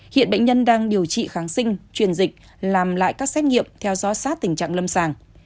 hiện bệnh nhân đang điều trị kháng sinh truyền dịch làm lại các xét nghiệm theo dõi sát tình trạng lâm sàng